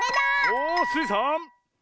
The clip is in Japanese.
おスイさん。